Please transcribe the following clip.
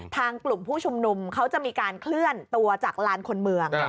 ทางกลุ่มผู้ชุมนุมเขาจะมีการเคลื่อนตัวจากลานคนเมือง